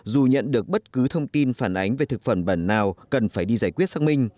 dù nhận được bất cứ thông tin phản ánh về thực phẩm bẩn nào cần phải đi giải quyết xác minh